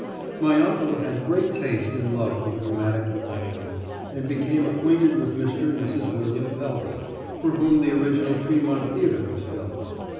My uncle had great taste and love for the dramatic profession, and became acquainted with Mr. and Mrs. William Pelby, for whom the original Tremont Theatre was built.